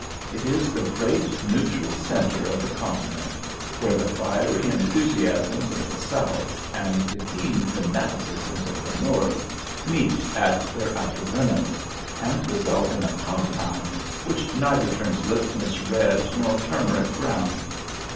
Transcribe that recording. It is the great neutral centre of the Continent, where the fiery enthusiasms of the South and the keen fanaticisms of the North meet at their outer limits, and result in a compound which neither turns litmus red nor turmeric brown.